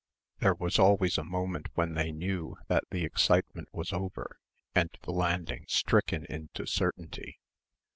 There was always a moment when they knew that the excitement was over and the landing stricken into certainty.